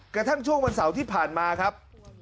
กระทั่งช่วงวันเสาร์ที่ผ่านมาครับ